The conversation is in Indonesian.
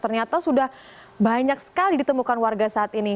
ternyata sudah banyak sekali ditemukan warga saat ini